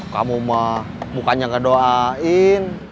kamu mah mukanya gak doain